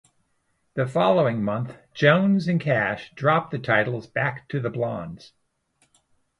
The following month, Jones and Cash dropped the titles back to the Blonds.